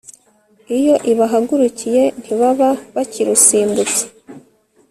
iyo ibahagurukiye ntibaba bakirusimbutse